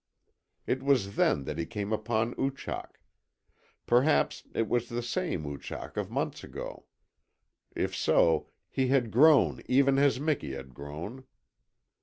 It was then that he came upon Oochak. Perhaps it was the same Oochak of months ago. If so, he had grown even as Miki had grown.